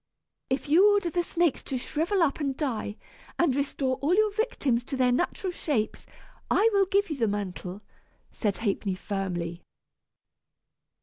"If you order the snakes to shrivel up and die, and restore all your victims to their natural shapes, I will give you the mantle," said Ha'penny firmly.